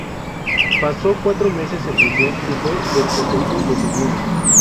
Pasó cuatro meses en prisión y fue desposeído de sus bienes.